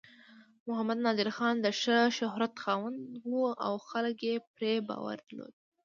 محمد نادر خان د ښه شهرت خاوند و او خلک یې پرې باور درلود.